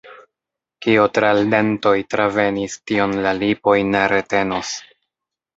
Kio tra l' dentoj travenis, tion la lipoj ne retenos.